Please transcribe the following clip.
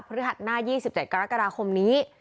ฤหัสหน้า๒๗กรกฎาคมนี้